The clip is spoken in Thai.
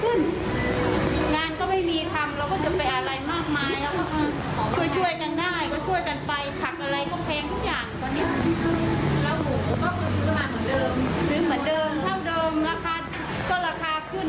ซื้อเหมือนเดิมเท่าเดิมราคาก็ราคาขึ้น